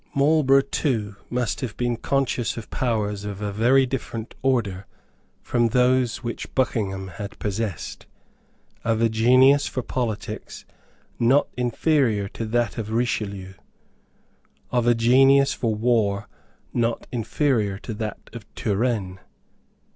Marlborough too must have been conscious of powers of a very different order from those which Buckingham had possessed, of a genius for politics not inferior to that of Richelieu, of a genius for war not inferior to that of Turenne.